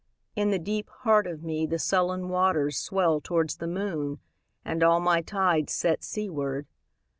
In the deep heart of me The sullen waters swell towards the moon, And all my tides set seaward.